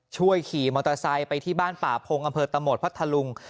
ช่วยขี่มอเตอร์ไซค์ไปที่บ้านป่าพงอำเภอตะโหมดพัทธลุง